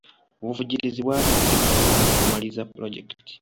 Obuvujjirizi bwali tebutumala kumaliriza pulojekiti.